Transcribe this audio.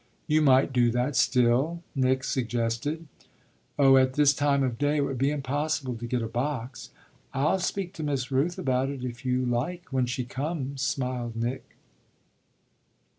"You might do that still," Nick suggested. "Oh at this time of day it would be impossible to get a box." "I'll speak to Miss Rooth about it if you like when she comes," smiled Nick.